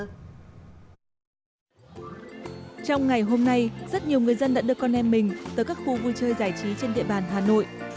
trong ngày hôm nay rất nhiều người dân đã đưa con em mình tới các khu vui chơi giải trí trên địa bàn hà nội